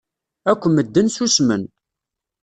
Akk medden ssusmen.